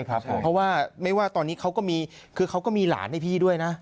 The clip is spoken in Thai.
เพราะว่าไม่ว่าตอนนี้เขาก็มีคือเขาก็มีหลานให้พี่ด้วยนะ